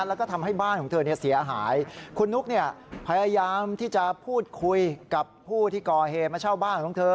แล้วก็ทำให้บ้านของเธอเนี่ยเสียหายคุณนุ๊กเนี่ยพยายามที่จะพูดคุยกับผู้ที่ก่อเหตุมาเช่าบ้านของเธอ